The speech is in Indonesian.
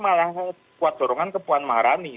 malah kuat dorongan ke puan maharani